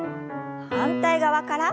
反対側から。